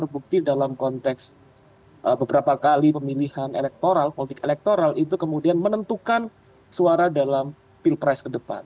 bukti dalam konteks beberapa kali pemilihan elektoral politik elektoral itu kemudian menentukan suara dalam pilpres ke depan